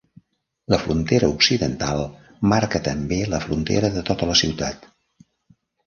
La frontera occidental marca també la frontera de tota la ciutat.